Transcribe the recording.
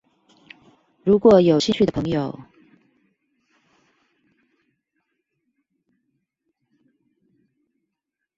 如果有興趣的朋友